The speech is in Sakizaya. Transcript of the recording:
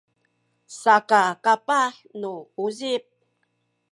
saka kapah nu uzip